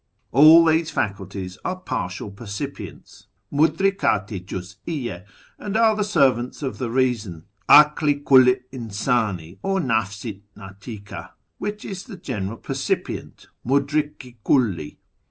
All these faculties are partial percipients {MuclrikcU i juz 'iyy6), and are the servants of the Eeason (Akl i kulli i insdni, or Nafs i ndtika), which is the General Percipient {Mudrik i kidli).